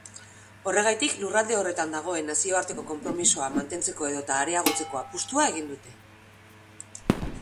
Horregatik, lurralde horretan dagoen nazioarteko konpromisoa mantentzeko edota areagotzeko apustua egin dute.